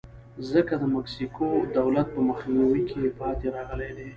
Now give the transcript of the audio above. ځکه د مکسیکو دولت په مخنیوي کې پاتې راغلی دی.